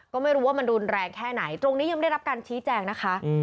ก็ไม่รู้ว่ามันรุนแรงแค่ไหนตรงนี้ยังไม่ได้รับการชี้แจงนะคะ